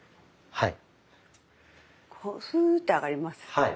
はい。